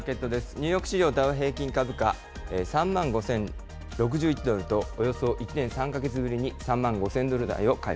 ニューヨーク市場、ダウ平均株価、３万５０６１ドルと、およそ１年３か月ぶりに３万５０００ドル台